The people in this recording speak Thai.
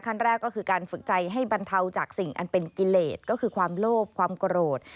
ขั้นแรกก็คือการฝึกใจให้บรรเทาจากสิ่งอันเป็นกิเลสก็คือความโลภความโกรธ